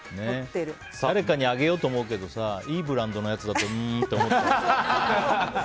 誰かにあげようと思うけどさいいブランドのやつだとうーんって思ってね。